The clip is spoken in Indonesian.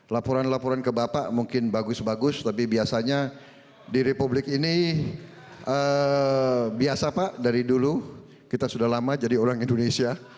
laporan laporan ke bapak mungkin bagus bagus tapi biasanya di republik ini biasa pak dari dulu kita sudah lama jadi orang indonesia